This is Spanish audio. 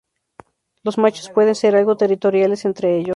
Los machos pueden ser algo territoriales entre ellos.